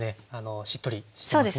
しっとりしてますね。